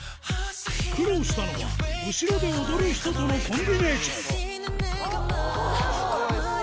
苦労したのは後ろで踊る人とのコンビネーション